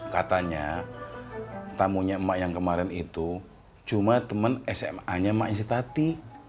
katanya tamunya emak yang kemarin itu cuma temen sma nya emaknya si tati